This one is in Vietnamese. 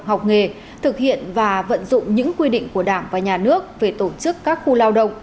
học nghề thực hiện và vận dụng những quy định của đảng và nhà nước về tổ chức các khu lao động